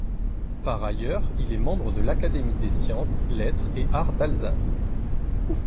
Par ailleurs, il est membre de l'Académie des sciences, lettres et arts d'Alsace.